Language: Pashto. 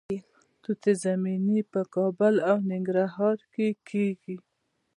توت زمینی په کابل او ننګرهار کې کیږي.